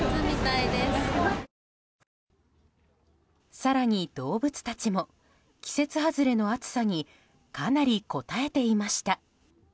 更に、動物たちも季節外れの暑さにかなりこたえていました。